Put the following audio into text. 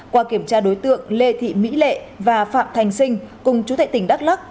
qua kiểm tra đối tượng lê thị mỹ lệ và phạm thành sinh cùng chú thệ tỉnh đắk lắc